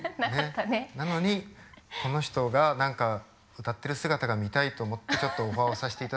なのにこの人が何か歌ってる姿が見たいと思ってちょっとオファーをさせていただいた。